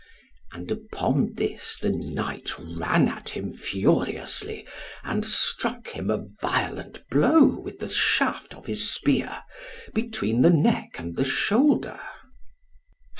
And upon this the knight ran at him furiously, and struck him a violent blow with the shaft of his spear, between the neck and the shoulder.